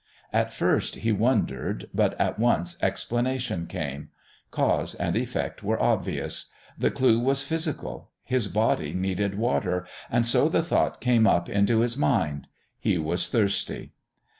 _ At first he wondered, but at once explanation came. Cause and effect were obvious. The clue was physical. His body needed water, and so the thought came up into his mind. He was thirsty.